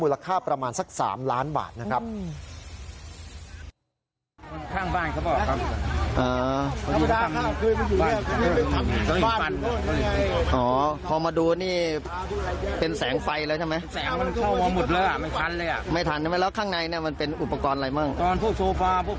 ราคาประมาณสัก๓ล้านบาทนะครับ